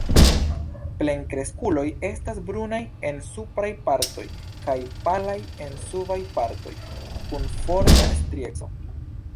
Plenkreskuloj estas brunaj en supraj partoj kaj palaj en subaj partoj, kun forta strieco.